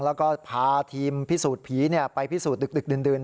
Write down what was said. แล้วก็พาทีมพิสูจน์ผีไปพิสูจน์ดึกดื่น